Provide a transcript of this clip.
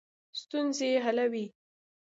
ستونزې حلوي.